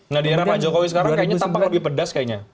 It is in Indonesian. nah di era pak jokowi sekarang kayaknya tampak lebih pedas kayaknya